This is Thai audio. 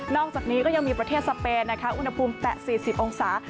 อกจากนี้ก็ยังมีประเทศสเปนนะคะอุณหภูมิแตะ๔๐องศา